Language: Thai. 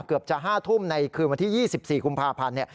เกือบจะ๕ทุ่มในคืนวันที่๒๔กุมภาพันธ์